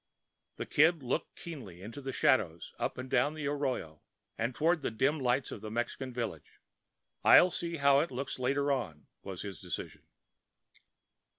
The Kid looked keenly into the shadows up and down the arroyo and toward the dim lights of the Mexican village. "I'll see how it looks later on," was his decision.